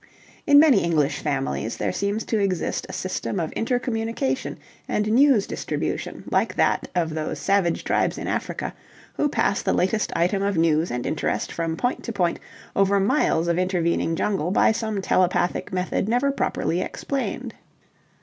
In many English families there seems to exist a system of inter communication and news distribution like that of those savage tribes in Africa who pass the latest item of news and interest from point to point over miles of intervening jungle by some telepathic method never properly explained.